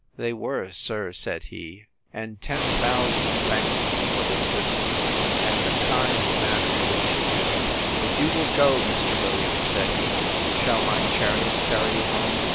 They were, sir, said he; and ten thousand thanks to you for this goodness, and the kind manner in which you do it.—If you will go, Mr. Williams, said he, shall my chariot carry you home?